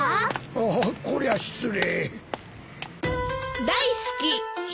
ああこりゃ失礼。